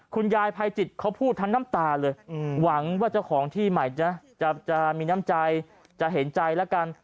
คุณยายภัยจิตเขาพูดทั้งน้ำตาเลยหวังว่าเจ้าของที่ใหม่จะมีน้ำใจจะเห็นใจแล้วกัน